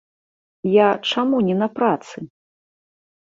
Я чаму не на працы?